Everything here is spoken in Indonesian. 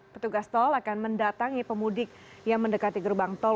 petugas tol akan mendatangi pemudik yang mendekati gerbang tol